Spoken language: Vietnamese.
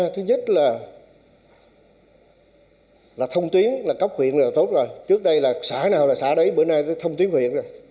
thứ nhất là thông tuyến là cấp huyện là tốt rồi trước đây là xã nào là xã đấy bữa nay thông tuyến huyện rồi